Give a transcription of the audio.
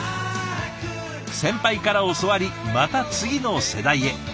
先輩から教わりまた次の世代へ。